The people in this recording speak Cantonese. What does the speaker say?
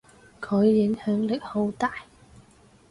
佢影響力好大。